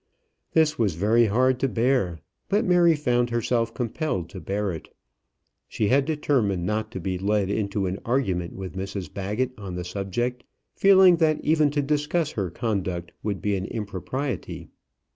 This was very hard to bear, but Mary found herself compelled to bear it. She had determined not to be led into an argument with Mrs Baggett on the subject, feeling that even to discuss her conduct would be an impropriety.